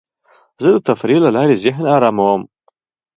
زه د تفریح له لارې ذهن اراموم.